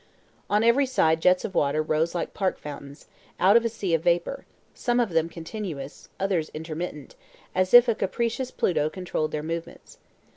On every side jets of water rose like park fountains, out of a sea of vapor; some of them continuous, others intermittent, as if a capricious Pluto controlled their movements.